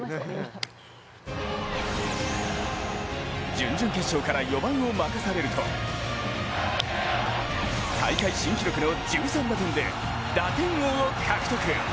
準々決勝から４番を任されると大会新記録の１３打点で打点王を獲得。